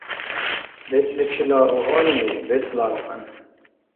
БецӀличила угьалли, бецӀ лябкьян.